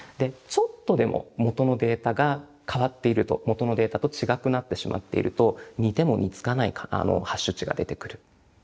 ちょっとでももとのデータが変わっているともとのデータと違くなってしまっていると似ても似つかないハッシュ値が出てくる。